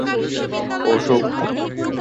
অসুখ!